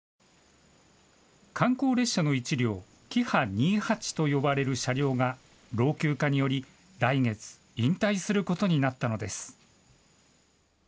観光列車の１両、キハ２８と呼ばれる車両が老朽化により来月、引退することになったのです。